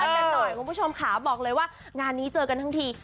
กันหน่อยคุณผู้ชมค่ะบอกเลยว่างานนี้เจอกันทั้งที